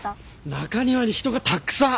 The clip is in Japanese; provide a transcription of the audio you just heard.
中庭に人がたくさん。